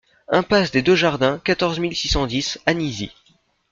Impasse des Deux Jardins, quatorze mille six cent dix Anisy